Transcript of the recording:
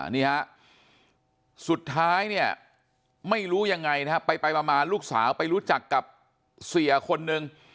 นี่ฮะสุดท้ายไม่รู้ยังไงไปไปประมาณลูกสาวไปรู้จักกับเสียคนหนึ่ง